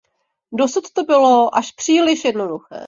Dosud to bylo až příliš jednoduché.